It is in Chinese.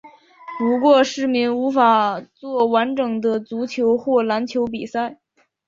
不过市民无法作完整的足球或篮球比赛。